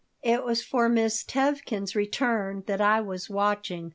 It was for Miss Tevkin's return that I was watching.